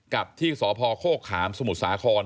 กับที่สพโคกขามสมุทรสาคร